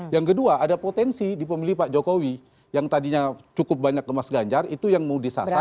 yang kedua ada potensi di pemilih pak jokowi yang tadinya cukup banyak ke mas ganjar itu yang mau disasar